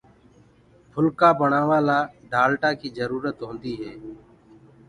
ڦُلڪآ بڻآوآ لآ ڊآلٽآ ڪيٚ جرورتَ هونٚدي هي